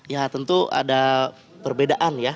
ya tentu ada perbedaan ya